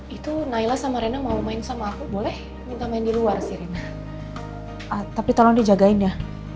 itu nailah sama rina mau main sama aku boleh minta main di luar sih rina tapi tolong dijagain ya